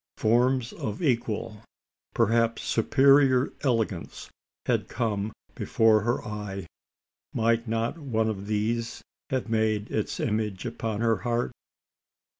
Forms of equal perhaps superior elegance had come before her eye. Might not one of these have made its image upon her heart?